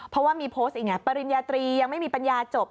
เพราะว่ามีโพสต์อีกไงปริญญาตรียังไม่มีปัญญาจบ